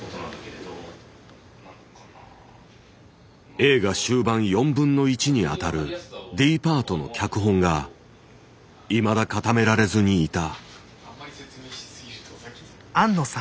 映画終盤４分の１にあたるＤパートの脚本がいまだ固められずにいた。